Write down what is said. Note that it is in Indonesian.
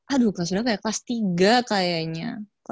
aduh kayaknya kelas tiga kayaknya